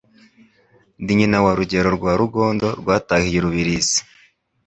Ndi nyina wa Rugero rwa Rugondo Rwatahiye i Rubirizi.